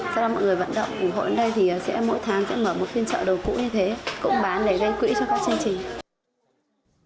sau đó mọi người vận động của hội đến đây thì sẽ mỗi tháng sẽ mở một phiên trợ đồ cũ như thế cũng bán để gây quỹ cho các chương trình